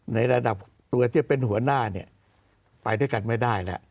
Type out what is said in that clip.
ในระดับตัวที่เป็นหัวหน้าเนี่ยไปด้วยกันไม่ได้แล้ว